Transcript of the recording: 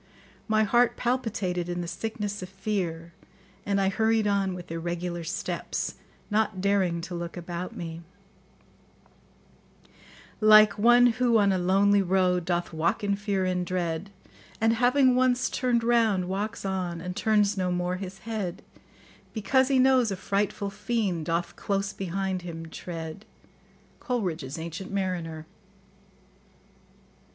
My heart palpitated in the sickness of fear, and I hurried on with irregular steps, not daring to look about me: Like one who, on a lonely road, Doth walk in fear and dread, And, having once turned round, walks on, And turns no more his head; Because he knows a frightful fiend Doth close behind him tread. [Coleridge's "Ancient Mariner."